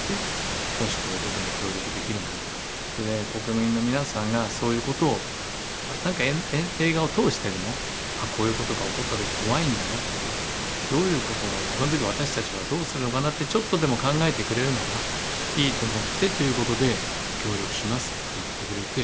もしこういう事に協力できるならそれで国民の皆さんがそういう事をなんか映画を通してでもこういう事が起こった時怖いんだなとかどういう事がその時私たちはどうするのかなってちょっとでも考えてくれるならいいと思ってという事で協力しますって言ってくれて。